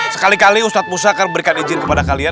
sekali kali ustadz musya akan berikan izin kepada kalian